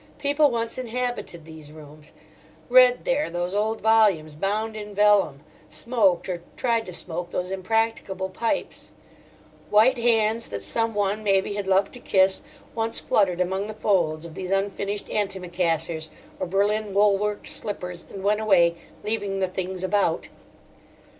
People once inhabited these rooms, read there those old volumes bound in vellum, smoked—or tried to smoke—these impracticable pipes; white hands, that someone maybe had loved to kiss, once fluttered among the folds of these unfinished antimacassars, or Berlin wool work slippers, and went away, leaving the things about.